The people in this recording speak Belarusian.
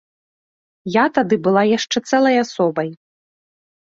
Я тады была яшчэ цэлай асобай.